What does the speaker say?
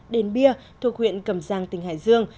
đền bia thuộc huyện cầm giang tỉnh hải dương